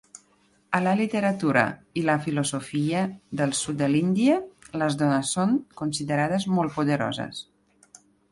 A la literatura i la filosofia del sud de l'Índia, les dones són considerades molt poderoses.